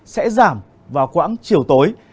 sẽ giảm vào khoảng chiều tối